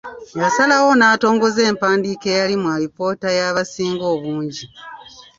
Yasalawo n’etongoza empandiika eyali mu alipoota y’abasinga obungi.